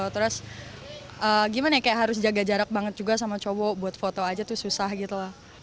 terus gimana kayak harus jaga jarak banget juga sama cowok buat foto aja tuh susah gitu lah